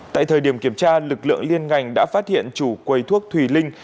tại thời điểm kiểm tra lực lượng liên ngành đã phát hiện chủ quầy thuốc thùy linh